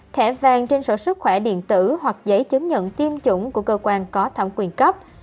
thẻ vàng trên sổ sức khỏe điện tử hoặc giấy chứng nhận tiêm chủng của cơ quan có thẩm quyền cấp